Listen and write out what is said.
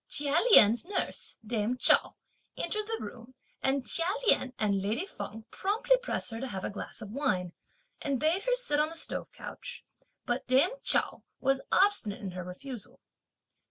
Chia Lien's nurse, dame Chao, entered the room, and Chia Lien and lady Feng promptly pressed her to have a glass of wine, and bade her sit on the stove couch, but dame Chao was obstinate in her refusal.